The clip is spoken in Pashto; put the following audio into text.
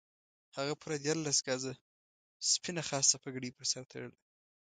هغه پوره دیارلس ګزه سپینه خاصه پګړۍ پر سر تړله.